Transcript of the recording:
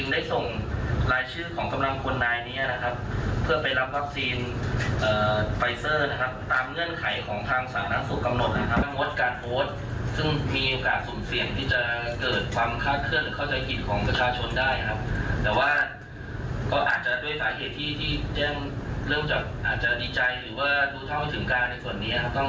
ทั้งหมวยต้องขออภัยประชาชน